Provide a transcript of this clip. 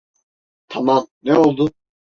Tamam, ne oldu?